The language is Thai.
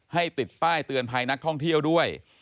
ติดป้ายเตือนภัยนักท่องเที่ยวด้วย